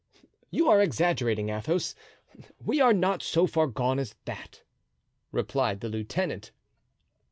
"You are exaggerating, Athos; we are not so far gone as that," replied the lieutenant.